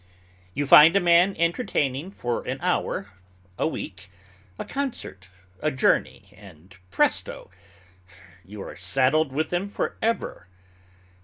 You find a man entertaining for an hour, a week, a concert, a journey, and presto! you are saddled with him forever.